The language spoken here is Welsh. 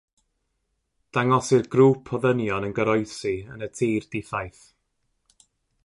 Dangosir grŵp o ddynion yn goroesi yn y tir diffaith.